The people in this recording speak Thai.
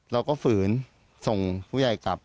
เราก็ฝืนส่งผู้ใหญ่กลับ